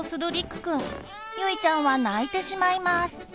ゆいちゃんは泣いてしまいます。